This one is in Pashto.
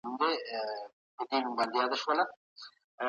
بهرني قراردادونه پکښي غصب سوی وو، غلا او چور